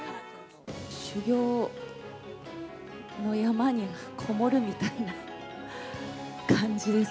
修行の山に籠もるみたいな感じです。